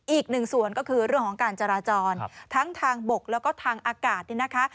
อีกหนึ่งส่วนก็คือเรื่องของการจราจรทั้งทางบกแล้วก็ทางอากาศนี่นะคะ